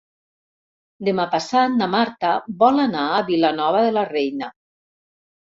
Demà passat na Marta vol anar a Vilanova de la Reina.